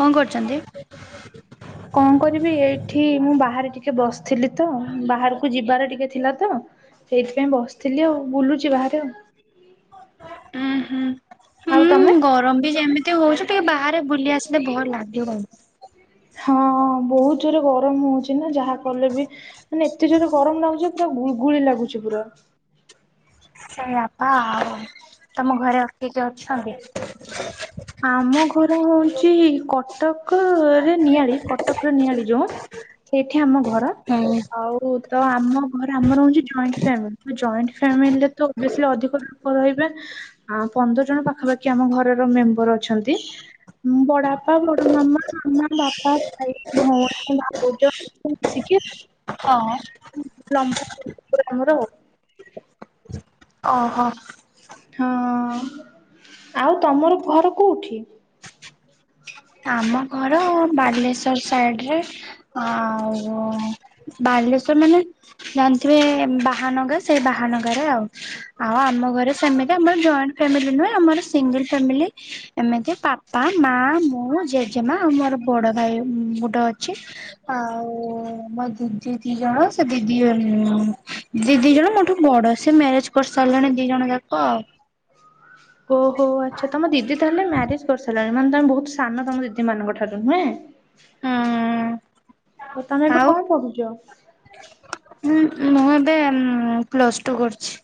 କଣ କରୁଛନ୍ତି? [inaudible] କଣ କରିବି ଏଇଠି ମୁଁ ବାହାରେ ଟିକେ ବସିଥିଲି ତ ବାହାରକୁ ଯିବାର ଟିକେ ଥିଲା ତ। ସେଇଥିପାଇଁ ବସିଥିଲି ଆଉ ବୁଲୁଛି ବାହାରେ ଆଉ। ଉୁଁ ହୁଁ ଆଉ ହୁଁ ତମେ? ଗରମ ବି ଯେମି ତି ହଉଛି ଟିକେ ବାହାରେ ବୁଲି ଆସିଲେ ଭଲ ଲାଗିବ ତ ହଁ ବହୁତ ଜୋରରେ ଗରମ ହଉଛି ନା ଯାହା କଲେ ବି ମାନେ ଏତେ ଜୋରେ ଗରମ ଲାଗୁଛି ପୁରା ଗୁଳଗୁଳି ଲାଗୁଛି ପୁରା। ସେଇଆ ପା ଆଉ ତମ ଘରେ ଆଉ କିଏ କିଏ ଅଛନ୍ତି? ହ। [inaudible] ଆମ ଘର ହଉଛି କଟକରେ ନିଆଳି କଟକରେ ନିଆଳି ଯୋଉ ସେଇଠି ଆମ ଘର ମୁଁ। ଆଉ ତ ଆମ ଘର ଆମର ହଉଛି ଜଏଣ୍ଟ ଫ୍ୟାମିଲି, ତ ଜଏଣ୍ଟ ଫ୍ୟାମିଲିରେ ତ ଓବିୟସ୍ଲି ଅଧିକ ଲୋକ ରହିବେ। ଆ ପନ୍ଦର ଜଣ ପାଖାପାଖି, ଆମ ଘରର ମେମ୍ବର ଅଛନ୍ତି। ବଡଆପା, ବଡମାମା, ମାମା, ବାପା, ଭାଇ, ଭଉଣୀ, ଭାଉଜ ସବୁ ମିଶିକି। ହଁ। ଲମ୍ବା [unintelligible] ଅହ। ହଁ-ଅ-ଅ-ଅ, ଆଉ ତମର ଘର କୋଉଠି? ଆମ ଘର ବାଲେଶ୍ୱର ସାଇଡ଼ରେ। ଆଉ ବାଲେଶ୍ଵର ମାନେ ଜାଣିଥିବେ ବାହାନଗା, ସେଇ ବାହାନଗାରେ ଆଉ। ଆଉ ଆମ ଘରେ ସେମିତି ଆମର ଜଏଣ୍ଟ ଫ୍ୟାମିଲି ନୁହେଁ, ଆମର ସିଙ୍ଗିଲ୍ ଫ୍ୟାମିଲି, ଏମିତି। ବାପା, ମା, ମୁଁ, ଜେଜେମା ଆଉ ମୋର ବଡ଼ ଭାଇ ଗୋଟେ ଅ ଛି, ଆଉ ମୋ ଦିଦି ଦି ଜଣ, ସେ ଦିଦି ଉଁ -ଉଁ ଦି ଦି ଜଣ ମୋ ଠୁ ବଡ, ସେ ମ୍ୟାରେଜ୍‌ କରିସାରିଲେଣି, ଦି ଜଣ ଯାକ ଆଉ। [inaudible] ଓହୋ, ଆଚ୍ଛା, ତମ ଦିଦି ତାହେଲେ ମ୍ୟାରେଜ୍ କରିସାରିଲେଣି। ମାନେ, ତମେ ବହୁତ ସାନ ତମ ଦିଦିମାନଙ୍କ ଠାରୁ, ନୁହେଁ? ହୁଁ ବର୍ତ୍ତମାନ ଏବେ କଣ ପଢ଼ୁଛ? ହୁଁ, ମୁଁ ଏବେ ପ୍ଲସ୍‌ ଟୁ କରୁଛି।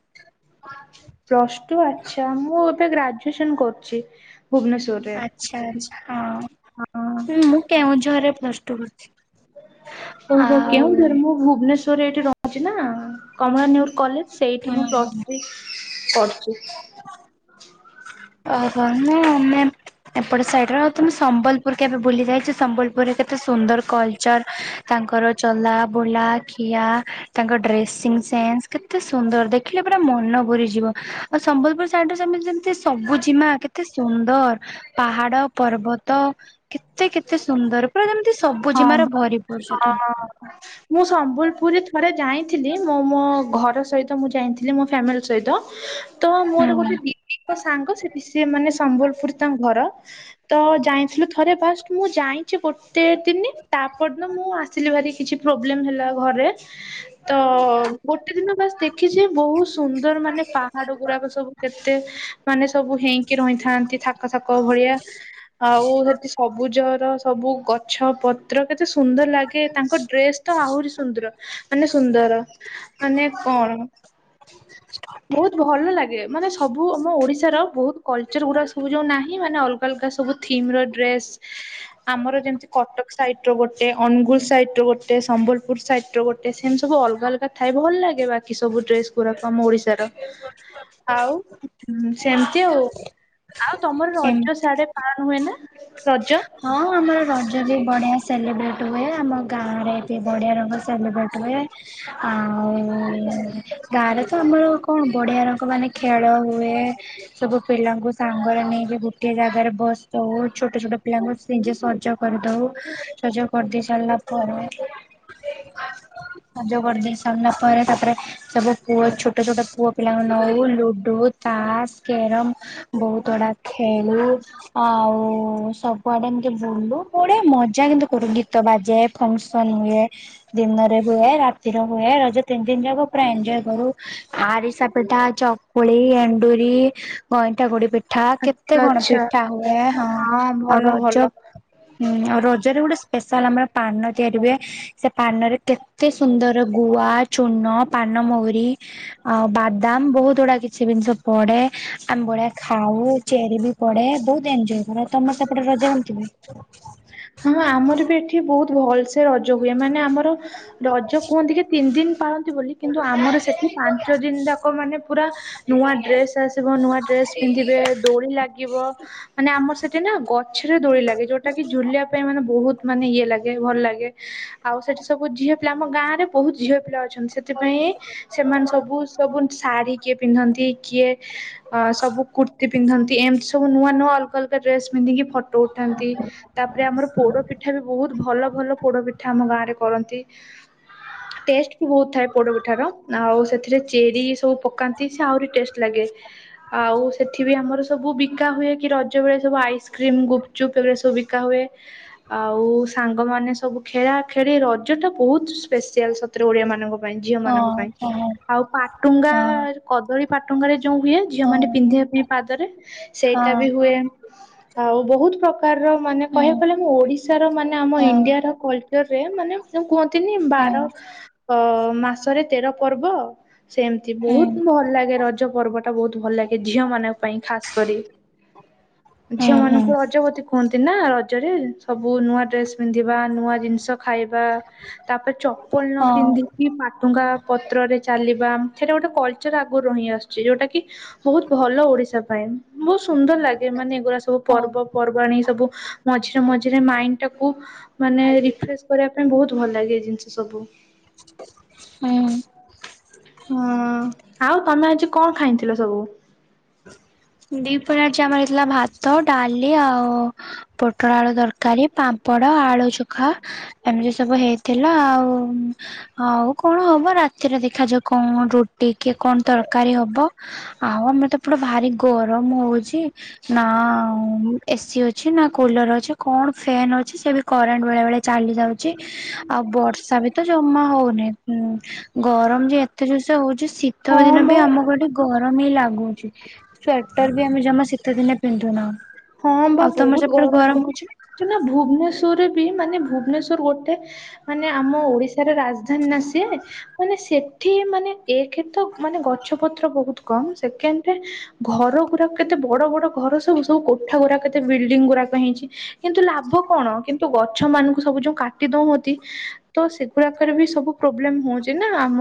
Plus two. ଆଚ୍ଛା, ମୁଁ ଏବେ ଗ୍ରାଜୁଏସନ୍‌ କରୁଛି ଭୁବନେଶ୍ଵର। ଆଚ୍ଛା, ଆଚ୍ଛା, ହଁ, ମୁଁ କେଉଁଝରରେ ପ୍ଲସ୍‌ଟୁ କରୁଛିି। ଓହୋ, କେଉଁଝର। ମୁଁ ଭୁବନେଶ୍ୱରରେ ଏଇଠି ରହୁଛି ନା, କମଳା ନେହୁରୁ କଲେଜ ସେଇଠି ମୁଁ ପ୍ଲସ୍‌ ହୁଁ ଥ୍ରୀ କରୁଛି। ଓହୋ, ମୁଁ ମେମ୍ ଏପଟ ସାଇଟ୍ ର, ତ ମୁଁ ସମ୍ବଲ ପୁର କେବେ ବୁଲିଯାଇଛୁ? ସମ୍ବଲପୁରରେ କେତେ ସୁନ୍ଦର କଲଚର୍, ତାଙ୍କର ଚଲା ବୁଲା ଖିଆ ତାଙ୍କ ଡ୍ରେସିଂ ସେନ୍ସ। କେତେ ସୁନ୍ଦର ଦେଖିଲେ ପୁରା ମନ ଭୁରିଯିବ, ଆଉ ସମ୍ବଲପୁର ସାଇଡ୍‌ରେ ସେମିତି ଯେମତି ସବୁଜିମା କେତେ ସୁନ୍ଦର। ପାହାଡ, ପର୍ବତ କେତେ କେତେ ସୁନ୍ଦର, ପୁରା ଯେମିତି ହଁ ସବୁଜିମାର ବା ଭରି। [unintelligible] [inaudible] ମୁଁ ସମ୍ବଲପୁରୀ ଥରେ ଯାଇଁ ଥିଲି। ମୋ ମୋ ଘର ସହିତ ମୁଁ ଯାଇଁଥିଲି, ମୋ ଫ୍ୟାମିଲି ସହିତ। ତ ମୋର ଗୋଟେ ହୁଁ ଦିଦିଙ୍କ ସାଙ୍ଗ, ସେଠି ସିଏ ମାନେ ସମ୍ବଲପୁର ତାଙ୍କ ଘର। ତ ଯାଇଁଥିଲୁ ଥରେ। ଫାଷ୍ଟ ମୁଁ ଯାଇଁଛି ଗୋଟେ ଦିନି, ତାପରଦିନ ମୁଁ ଆସିଲି ଭାରି କିଛି ପ୍ରୋବ୍ଲେମ୍ ହେଲା ଘରେ। ତ ଗୋଟେ ଦିନ ବାସ ଦେଖିଛି, ବହୁତ ସୁନ୍ଦର ମାନେ ପାହାଡ଼ ଗୁରାକ ସବୁ। କେତେ ମାନେ ସବୁ ହେଇଁକି ରହିଥାନ୍ତି, ଥାକ ଥାକ ଭଳିଆ। ଆଉ ସେଠି ସବୁଜର ସବୁ ଗଛପତ୍ର କେତେ ସୁନ୍ଦର ଲାଗେ, ତାଙ୍କ ଡ୍ରେସ୍ ତ ଆହୁରି ସୁନ୍ଦର, ମାନେ ସୁନ୍ଦର ମାନେ କଣ? ବହୁତ ଭଲ ଲାଗେ, ମାନେ ସବୁ ଆମ ଓଡ଼ିଶାର ବହୁତ କଲଚର୍ ଗୁଡ଼ାକ ସବୁ ଯୋଉ ନାହିଁ, ମାନେ ଅ ଅଲଗା ସବୁ ଥିମ୍ ର ଡ୍ରେସ। ଆମର ଯେମିତି କଟକ ସାଇଟ୍ ର ଗୋଟେ, ଅନୁଗୁଳ ସାଇଟ୍ ର ଗୋଟେ, ସମ୍ବଲପୁର ସାଇଟ୍ ର ଗୋଟେ, ସେମିତି ସବୁ ଅଲଗା ଅଲଗା ଥାଇ ଭଲ ଲାଗେ, ବାକି ସବୁ ଡ୍ରେସ ଗୁଡ଼ାକ ଆମ ଓଡିଶାର। [unintelligible] ଆଉ ସେମିତି ଆଉ, ଆଉ ତମର ସେମ ରଜ ସିଆଡେ ପାଳନ ହୁଏ ନା ରଜ? ହଁ ଆମର ରଜରେ ବଢିଆ ସେଲିବ୍ରେଟ୍ ହୁଏ, ଆମ ଗାଁ ରେ ବଢ଼ିଆ ରଙ୍ଗ ସେଲିବ୍ରେଟ୍ ହୁଏ, ଆଉ ଗାଁ ରେ ତ ଆମର କଣ ବଢିଆ ରଙ୍ଗ ମାନେ ଖେଳ ହୁଏ ସବୁ ପିଲାଙ୍କୁ ସାଙ୍ଗରେ ନେଇକି ଗୁଟିଏ ଜାଗାରେ ବସୁ ଛୋଟ ଛୋଟ ପିଲାଙ୍କୁ ନିଜେ ସଜ କରିଦଉ ସଜ କରିଦେଇ ସାରିଲା ପରେ ଯ କରିଦ ସନ [unintelligible] ପରେ ତାପରେ ସବୁ ପୁଅ ଛୋଟ ଛୋଟ ପୁଅ ପିଲାଙ୍କୁ ନୋଉ ଲୁଡୁ, ତାସ୍ କ୍ଯରାମ୍ ବହୁତ୍ ଗୁଡା ଖେଳୁ ଆଉ କୁଆଡେ ଏମିତି ବୁଲୁ ବଢିଆ ମଜା କିନ୍ତୁ କରୁ। ଗୀତ ବାଜେ ଫଙ୍କ୍ ସନ୍ ହୁଏ ଦିନରେ ହୁଏ ରା ସ୍ଥିର ହୁଏ ରଜ ତିନି ଦିନ ଯାକ ପୁରା ଏଞୟ କରୁ ଆରିସା ପିଠା, ଚକୁଳି, ଏଣ୍ଡୁରି, ଗଇଁଠା ଗୁଡି ପିଠ୍ ପିଠା କେତେ ଆଚ୍ଛା କଣ ଆଚ୍ଛା ପିଠା ହୁଏ, ହଁ। ଆଉ ଭଲ ରଜ ଭଲ। ଆଉ ରଜରେ ଗୋଟେ ସ୍ପେଶାଲ୍ ଆମର ପାନ ତିଆରି ହୁଏ ସେ ପାନରେ କେତେ ସୁନ୍ଦର ଗୁଆ, ଚୂନ, ପାନମହୁରି। ଆଉ ବାଦାମ୍ ବହୁତ୍ ଗୁଡା କିଛି ସେ ଜିନିଷ ପଡେ ଆମ୍ବଭଳିଆ ଖାଉ ଚେରି ବି ପଡେ ବହୁତ୍ ଏଞୟ କରୁତମେ ତ ସେଟା ରାଜା ହୁଅନ୍ତି ନି। ହଁ ଆମର ବି ଏଠି ବହୁତ୍ ଭଲ୍ ସେ ରଜ ହୁଏ ମାନେ ଆମର। ରଜ କୁହନ୍ତି କି ତିନି ଦିନ ପାଳନ୍ତି ବୋଲି କିନ୍ତୁ ଆମର ସେଠି ପାଞ୍ଚ ଦିନ ଯାକ ମାନେ ପୁରା ନୂଆ ଡ୍ରେସ୍ ଆସିବ ନୂଆ ଡ୍ରେସ୍ ପିନ୍ଧିବେ ଦୋଳି ଲାଗିବ ମାନେ ଆମର ସେଠ ସେଠି ନା ଗଛରେ ଦୋଳି ଲାଗେ ଯୋଉଟା କି ଝୁଲିଆ ବହୁତ୍ ମାନେ ଇଏ ଲାଗେ ଭଲ୍ ଲାଗେ ଆଉ ସେଠି ସବୁ ଝିଅ ପିଲା ଆମ ଗାଁ ରେ ବହୁତ୍ ଝିଅ ପିଲା ଅ ଛନ୍ତି ସେଥିପାଇଁ ସେମାନେ ସବୁ ସବୁ ଶାଢ଼ୀ କିଏ ପିନ୍ଧନ୍ତି କିଏ ହଁ ସବୁ କୁର୍ତ୍ତି ପିନ୍ଧନ୍ତି ଏମିତି ସବୁ ନୂଆ ନୂଆ ଅଲଗା ଅଲଗା ଡ୍ରେସ୍ ପନ୍ଧିକି ଫଟ୍ ଦୋଉଥାନ୍ତି ତାପରେ ଆମର ପୋଡ ପିଠ୍ ପିଠା ବି ବହୁତ୍ ଭଲ ଭଲ ପୋଡ ପିଠା ଆମ ଗାଁରେ କରନ୍ତି, ଟେଷ୍ଟ୍ ବହୁତ୍ ଥାଏ ପୋଡପିଠା ର ଆଉ ସେଥିରେ ଚେରି ସବୁ ପକାନ୍ତି ସେ ଆହୁରି ଟେଷ୍ଟ୍ ଲାଗେ। ଆଉ ସେଠି ବି ଆମର ସବୁ ବିକା ହୁଏ କି ରଜ ବେଳେ ସବୁ ଆଇସ୍କ୍ରିମ୍, ଗୁପଚୁପ୍ ଏଗୁରା ସବୁ ବିକା ହୁଏ। ହ। ଆଉ ସାଙ୍ଗମାନେ ସବୁ ଖେଳା ଖେଳି ରଜ ଟା ବହୁତ୍ ସ୍ପେସିଆଲ୍ ସତରେ ଓଡିଆ ମାନଙ୍କ ପାଇଁ ଝିଅ ହଁ ମାନଙ୍କ ପାଇଁ। ହଁ ଆଉ ପାଟୁଙ୍ଗା ହଁ କଦଳୀ ପାଟୁଙ୍ଗରେ ଯୋଉଁ ହୁଏ ଝିଅ ମାନେ ହଁ ପିନ୍ଧିବା ପାଇଁ ପାଦରେ। ସେଇଟା ହଁ ବି ହୁଏ, ଆଉ ବହୁତ୍ ପ୍ରକାରର ମା ହୁଁ କହିବାକୁ ଗଲେ ମୁଁ ଓଡିଶାର ମାନେ ଆମ ହଁ ଇଣ୍ଡିଆର କଲ୍ଚରରେ ମାନେ ଯୋଉ କୁହନ୍ତିନି ହଁ ବାର। ଅଁ ମାସରେ ତେର ପର୍ବ ସେମିତି ବହୁତ୍ ହୁଁ ଭଲ ଲାଗେ ରଜ ପର୍ବ। ବହୁତ୍ ଭଲ ଲାଗେ ଝିଅ ମାନଙ୍କ ପାଇଁ ଖାସ୍ କରି ଝିଅ ହୁଁ ହୁଁ ମାନଙ୍କୁ ରଜବତି କୁହନ୍ତି ନା ରଜରେ ସବୁ ନୂଆ ଡ୍ରେସ୍ ପିନ୍ଧିବା, ନୂଆ ଜିନିଷ ଖାଇବା ତାପରେ ଚପଲ୍ ନ ହଁ ପିନ୍ଧି କି ପାଟୁଙ୍ଗା ପତ୍ରରେ ଚାଲିବା ସେଟା ଗୋଟେ କଲଚର ଆଗରୁ ରହି ଆସୁଛି ଯୋଉଟା କି ବହୁତ୍ ଭଲ ଓଡିଶା ପାଇଁ ବହୁତ୍ ସୁନ୍ଦର ଲାଗେ ମାନେ ଏଗୁରା ସବୁ ହଁ ପର୍ବପର୍ବାଣୀ ସବୁ ମଝିରେ ମଝିରେ ମାଇଣ୍ଡ୍ ଟାକୁ ମାନେ ରେଫ୍ରେଶ କରିବା ପାଇଁ ବହୁତ୍ ଭଲ ଲାଗେ ଏ ଜିନିଷ ସବୁ। ହୁଁ। ହୁଁ ଆଉ ତମେ ଆଜି କଣ ଖାଇଥିଲ ସବୁ? ଦି ପହରେ ଆଜି ଆମର ହେଇଥିଲା ଭାତ ଡାଲି ଆଉ ପୋଟଳ ଆଳୁ ତରକାରୀ। ପାମ୍ପଡ ଆଳୁ ଚୋଖା ଏମିତି ସବୁ ହେଇଥିଲା ଆଉ। ଆଉ କଣ ହବ ରାତିରେ ଦେଖାଯାଉ କଣ ରୁଟି କି କଣ ତରକାରୀ ହବ। ଆଉ ଆମର ତ ଏପଟ ଭାରି ଗରମ ହଉଛି। ନା ଏସିି ଅଛି ନା କୁଲର ଅଛି କଣ ଫ୍ୟାନ୍ ଅଛି ସେ ବି କରେଣ୍ଟ ବେଳେ ବେଳେ ଚାଲି ଯାଉଛି ଆଉ ବର୍ଷା ବି ତ ଜମା ହଉନି। ହୁଁ ଗରମ ଯେ ଏତେ ଯୋରସେ ହଉଛି ଶୀତ ହଁ ଦିନ ବି ବା ଆମ ଘରଠି ଗରମ ହିଁ ଲାଗୁଛି ସ୍ଵେଟର ବି ଆମେ ଜମା ଶୀତେ ଦିନେ ପିନ୍ଧୁନାହୁଁ। ଆଉ ତମର ସେପଟରେ ଗରମ ହଉଛି? ଚନା ଭୁବନେଶ୍ଵରରେ ବି ମାନେ ଭୁବନେଶ୍ଵର ଗୋଟେ ମାନେ ଆମ ଓଡିଶାର ରାଜଧାନୀ ନା ସିଏ। ମାନେ ସେଠି ମାନେ ଏକରେତ ମାନେ ଗଛ ପତ୍ର ବହୁତ କମ ସେକେଣ୍ଡରେ ଘର ଗୁଡାକ କେତେ ବଡ ବଡ ଘର ସବୁ ସବୁ କୋଠା ଗୁଡାକ କେତେ ବିଲଡିଂ ଗୁଡାକ ହେଇଛି। କିନ୍ତୁ ଲାଭ କଣ କିନ୍ତୁ ଗଛ ମାନଙ୍କୁ ସବୁ ଯୋଉ କାଟି ଦଉଅନ୍ତି। ତ ସେଗୁଡାକରେ ବି ସବୁ ପ୍ରୋବଲେମ ହଉଛି ନା ଆମ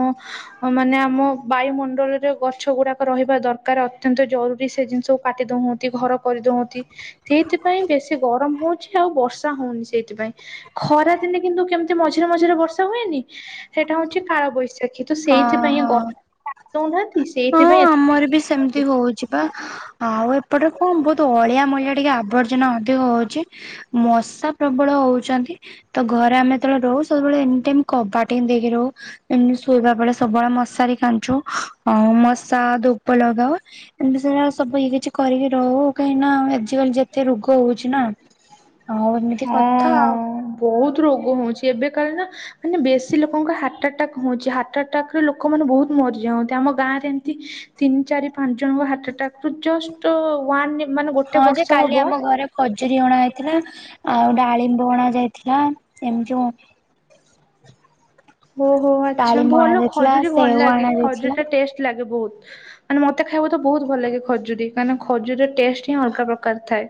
ଅ ମାନେ ଆମ ବାୟୁମଣ୍ଡଳରେ ଗଛ ଗୁଡାକ ରହିବା ଦରକାର ଅତ୍ୟନ୍ତ ଜରୁରୀ ସେ ଜିନିଷ କାଟି ଦଉଅନ୍ତି ଘର କରିଦୋଉ ତି ସେଇଥିପାଇଁ ବେଶୀ ଗରମ ହଉଛି ଆଉ ବର୍ଷା ହଉନି ସେଇଥିପାଇଁ। ଖରାଦିନେ କିନ୍ତୁ କେମିତି ମଝିରେ ମଝିରେ ବର୍ଷା ହୁଏନି ସେଇଟା ହେଉଛି କାଳବୈଶାଖୀ। ହଁ ହଁ ହଁ ସେଇଥିପାଇଁ ଏତେ ଆମର ବି ସେମିତି ହଉ ଯିବା ଆଉ ଏପଟେ କଣ ବହୁତ ଅଳିଆ ମୂଳିଆ ଟିକେ ଆବର୍ଜନା ଅଧିକ ହଉଛି। ମଶା ପ୍ରବଳ ହଉଛନ୍ତି। ତ ଘରେ ଆମେ ଯେତେବେଳେ ରହୁ ସବୁବେଳେ ଏନି ଟାଇମ୍ କବାଟ ହିଁ ଦେଇକି ରହୁ ଏମିତି ସୁ ଶୋଇବା ବେଳେ ସବୁବେଳେ ମଶାରି କାଞ୍ଚୁ ଆ ମଶା ଧୂପ ଲଗାଉ। ଏମତି ସେରା ସବୁ ଇଏ କିଛି କରିକି ରହୁ କାହିଁକି ନା ଆଜିକାଲି ଯେତେ ରୋଗ ହଉଛି ନା? ଆଉ ଏମିତି ହଁ କଥା ଆଉ। ବହୁତ ରୋଗ ହଉଛି ଏବେ କାଳେ ନା ମାନେ ବେଶୀ ଲୋକଙ୍କର ହାର୍ଟ ଆଟାକ୍ ହଉଛି ହାର୍ଟ ଆଟାକରେ ଲୋକମାନେେ ବହୁତ ମରିଯାଉନ୍ତି ଆମ ଗାଁ ରେ ଏମିତି ତିନି ଚାରି ପାଞ୍ଚ ଜଣଙ୍କ ହାର୍ଟ ଆଟାକ ରୁ ଜଷ୍ଟ ୱାନରେ ମାନେ ଗୋ ହଁ ଯେ କାଲି ଆମ ଘରେ ଖଜୁରୀ ଅଣା ଯାଇଥିଲା ଆଉ ଡାଳିମ୍ବ ଅଣା ଯାଇଥିଲା ଏମିତି ଯୋଉ [unintelligible] ଓହୋ ଆଚ୍ଛା ଡାଳିମ୍ବ ଅଣା ଭଲ ଯାଇଥିଲା ଖଜୁରୀ ଭଲ ସେଓ ଲାଗେ ଅଣା ଖଜୁରୀ ଯାଇଥିଲା। ଟା ଟେଷ୍ଟ ଲାଗେ ବହୁତ୍। ମାନେ ମତେ ଖାଇବା ତ ବହୁତ ଭଲ ଲାଗେ ଖଜୁରୀ କାହିଁକି ନା ଖଜୁରୀର ଟେଷ୍ଟ ହିଁ ଅଲଗା ପ୍ରକାର ଥାଏ।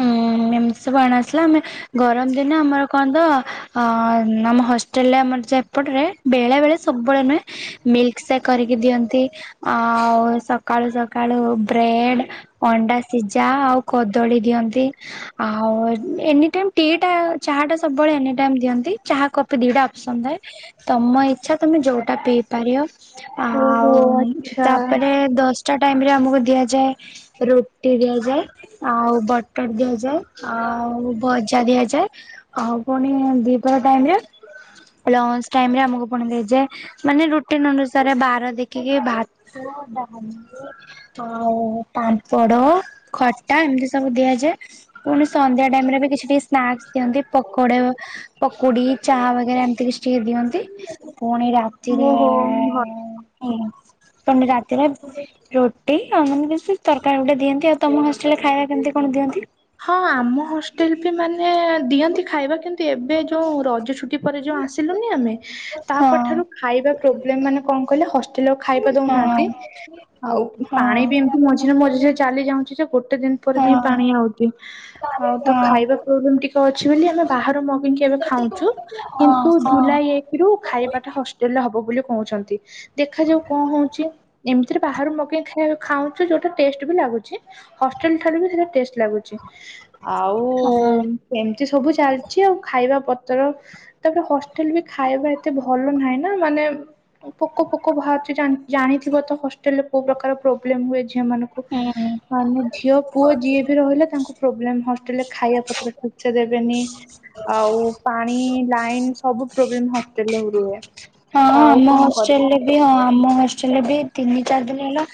ହୁଁ ଏମିତି ସବୁ ଆଣି ଆସିଲା ଆମେ ଗରମ ଦିନେ ଆମର କଣ ତ ଅ ଆମ ହଷ୍ଟେଲରେ ଆମର ସେପଟରେ ବେଳେ ବେଳେ ସବୁବେଳେ ନୁହେଁ ମିଲ୍କ ସେକ୍ କରିକି ଦିଅନ୍ତି। ଆଉ ସକାଳୁ ସକାଳୁ ବ୍ରେଡ ଅଣ୍ଡା ସିଝା ଆଉ କଦ ଦଳି ଦିଅନ୍ତି। ଆଉ ଏନି ଟାଇମ୍ ଟି ଚାହା ଟା ସବୁବେଳେ ଏନି ଟାଇମ୍ ଦିଅନ୍ତି ଚାହା କପି ଦିଟା ଅପପ୍ସନ୍ ଥାଏ। ତମ ଇଚ୍ଛା ତମେ ଯୋଉଟା ପିଇ ପାରିବ। ଆଉ ଓହୋ ଆଚ୍ଛା ତାପରେ ଦଶ ଟାଇମ ରେ ଆମକୁ ଦିଆଯାଏ ରୁଟି ଦିଆଯାଏ। ଆଉ ବଟର ଦିଆଯାଏ ଆଉ ଭଜା ଦିଆଯାଏ। ଆଉ ପୁଣି ଦୀପହର ଟାଇମ ରେ ହୁଁ ଲଞ୍ଚ ଟାଇମରେ ଆମକୁ ପୁଣି ଯେ, ମାନେ ରୁଟିନ୍ ଅନୁସାରେ ବାର ଦେଖ କିଏ, ଭାତ, ଡାଲି, ଆଉ ପାମ୍ପଡ଼ ଖଟ, ଏମିତି ସବୁ ଦିଆଯାଏ। ପୁଣି ସନ୍ଧ୍ୟା ଟାଇମ ରେ ବି କିଛି ଟିକ ସ୍ନାକ୍ସ ଦିଅନ୍ତି ପକୋଡ ପକୁଡି ଚା ବଗେରା ଏମିତି କିଛି ଟିକେ ଦିଅନ୍ତି। ପୁଣି ରାତିରେ ଓହୋ ଭଲ। ଓ ତ ରାତିରେ ରୁଟି ଆଉ ମାନେ ବେଶ ତରକାରୀ ଗୁଟେ ଦିଅନ୍ତି। ଆଉ ତମ ହଷ୍ଟେଲରେ ଖାଇବା କେମିତି କଣ ଦିଅନ୍ତି? ହଁ ଆମ ହୋଷ୍ଟେଲ ବି ମାନେ ଦିଅନ୍ତି ଖାଇବା କିନ୍ତୁ ଏ ଏବେ ଯୋଉ ରଜ ଛୁଟି ପରେ ଯୋଉ ଆସିଲୁନି ଆମେ, ତାପରଠାରୁ ହଁ ଖାଇବା ପ୍ରୋବ୍ଲେମ୍ ମାନେ କଣ କହିଲ? ହ ହଷ୍ଟେଲରେ ଖାଇବା ହଁ ଦଉନାହାନ୍ତି। ଆଉ ହଁ ପାଣି ବି ଏମତି ମଝିରେ ମଝିରେ ଚାଲି ଯାଉ ଉଚି। ଗୋଟେ ଦିନ ପରେ ଯାଇ ହଁ। ପାଣି ଆଉଚି। ତ ହଁ ଖାଇବା ପ୍ଲେବେମ୍ ଟିକେ ଅଛି ବୋଲି ବାହରୁ ମଗେଇକି ଏବେ ଖାଉଛୁ। ହଁ କିନ୍ତୁ ଜୁଲାଇ ହଁ ଏକ ରୁ ଖାଇବାଟା ହଷ୍ଟେଲ ରେ ହବ ବୋଲି କହୁଛନ୍ତି। ଦେଖା ଯାଉ କଣ ହଉଛି ଏମିତିରେ ବାହାରୁ ମଗେଇକି ଖାଉଛୁ ଯୋଉଟା ଟେଷ୍ଟ ବି ଲାଗୁଛି। ହଷ୍ଟେଲ ଠାରୁ ବି ସେଟା ଟେଷ୍ଟ ଲାଗୁଛି। ଆଉ ଏମିତି ସବୁ ଚାଲିଛି ଆଉ। ଖାଇବା ପତର ତାପରେ ହଷ୍ଟେଲ ବି ଖାଇବା ଏତେ ଭଲ ନାହିଁ ନା ମାନେ ପୋକ ପୋକ ବାହାରୁଛି ଜାଣିଥିବ ତ ହଷ୍ଟେଲ ରେ କୋଉ ପ୍ରକାର ପ୍ରୋବ୍ଲେମ ହୁଏ ଝିଅ ମାନଙ୍କୁ। ହଁ ମାନେ ଝିଅ, ପୁଅ ଯିଏ ବି ରହିଲା ତାଙ୍କୁ ପ୍ରୋବ୍ଲେମ୍। ହଷ୍ଟେଲ ରେ ଖାଇବା ପତ୍ର ଠିକ୍ ସେ ଦେବେନି। ଆଉ ପାଣି ଲାଇନ୍ ସବୁ ପ୍ରୋବ୍ଲେମ୍ ହଷ୍ଟେଲ୍ ରେ ରୁହେ। ଆଉ ଆମ କଣ କରିବି ହଷ୍ଟେଲ ରେ ବି ହଁ ଆମ ହଷ୍ଟେଲରେ ବି ତିନି ଚାରି ଦିନ ହେଲା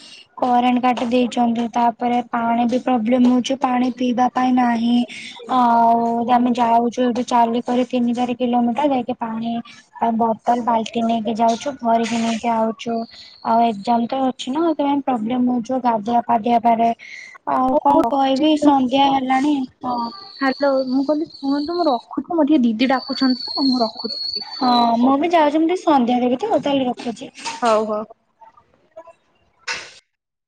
କରେଣ୍ଟ କାଟି ଦେଇଛନ୍ତି। ତାପରେ ପାଣି ବି ପ୍ରୋବ୍ଲେମ୍ ହଉଛି ପାଣି ପିଇବା ପାଇଁ ନାହିଁ। ଆଉ ଆମେ ଯାଉଛୁ ଏଠି ଚାଲି କରିରି ତିନି ଚାରି କିଲୋମିଟର ଯାଇକି ପାଣି ଆଉ ବୋତଲ ବାଲ୍ଟି ନେଇକି ଯାଉଛୁ ଭରିକି ନେଇକି ଆଉଚୁ। ଆଉ ଏକଜାମ ତ ଅଛି ନା ସେଥିପାଇଁ ପ୍ରୋବ୍ଲେମ ହଉଛି ଗାଧୁଆ ପାଧୁଆ ପରେ ଆଉ ମୁଁ କଣ ରଖୁଛି କହିବି ସନ୍ଧ୍ୟା ହେଲାଣି ହଁ। ହାଲୋ ମୁଁ କହିଲି ଶୁଣନ୍ତୁ ମୁଁ ରଖୁଛି ମୋ ଟିକେ ଦିଦି ଡାକୁଛନ୍ତି ତ ମୁଁ ରଖୁଛି। ହଁ ମୁଁ ବି ଯାଉଛି ମୁଁ ଟିକେ ସନ୍ଧ୍ୟା ଦେବି ତ ତାହାଲେ ରଖୁଛି। ହଉ, ହଉ।